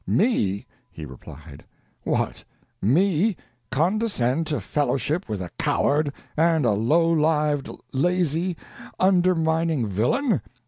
"Me," he replied, "what, me, condescend to fellowship with a coward, and a low lived, lazy, undermining villain?